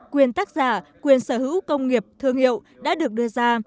quyền tác giả quyền sở hữu công nghiệp thương hiệu đã được đưa ra